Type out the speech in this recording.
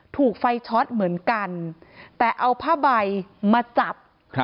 ถูกไฟช็อตเหมือนกันแต่เอาผ้าใบมาจับ